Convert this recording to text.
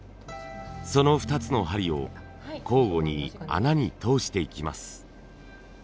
その２つの針を交互に穴に通していきます。